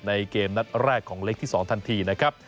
เกมนัดแรกของเล็กที่๒ทันทีนะครับ